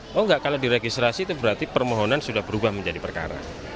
oh enggak kalau diregistrasi itu berarti permohonan sudah berubah menjadi perkara